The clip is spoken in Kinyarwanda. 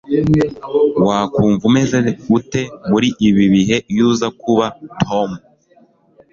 Wakumva umeze ute muri ibi bihe iyo uza kuba Tom